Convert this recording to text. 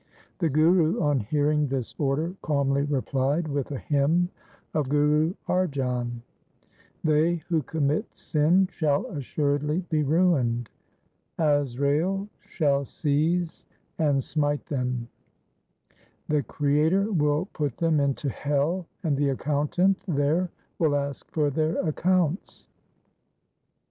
The Guru on hearing this order calmly replied with a hymn of Guru Arjan :— They who commit sin shall assuredly be ruined ; Azrail shall seize and smite them ; The Creator will put them into hell, and the Accountant there will ask for their accounts.